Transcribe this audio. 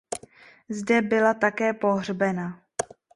Zde byla také pohřbena.